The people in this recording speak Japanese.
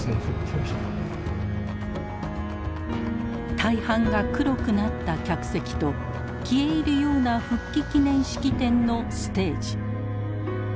大半が黒くなった客席と消え入るような復帰記念式典のステージ。